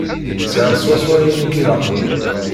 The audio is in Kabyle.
Sεiɣ swaswa ayen i k-ilaqen.